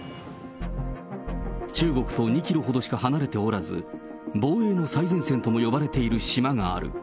中国と２キロほどしか離れておらず、防衛の最前線とも呼ばれている島がある。